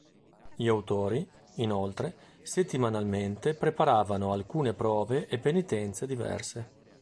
Gli autori, inoltre, settimanalmente preparavano alcune prove e penitenze diverse.